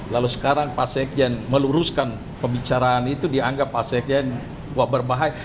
lalu sekarang pas sekjen meluruskan pembicaraan itu dianggap pas sekjen berbahaya